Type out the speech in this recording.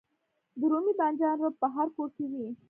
د رومي بانجان رب په هر کور کې وي.